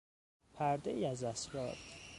پردهای از اسرار